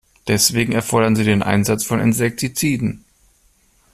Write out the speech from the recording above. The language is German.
Deswegen erfordern sie den Einsatz von Insektiziden.